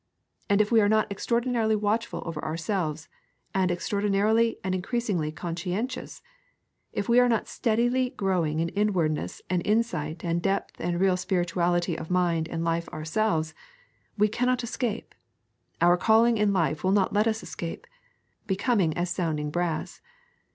And if we are not extraordinarily watchful over ourselves, and extraordinarily and increasingly conscientious, if we are not steadily growing in inwardness and insight and depth and real spirituality of mind and life ourselves, we cannot escape, our calling in life will not let us escape, becoming as sounding brass.